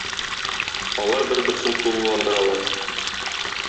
Алар бер-берсен тулыландыралар.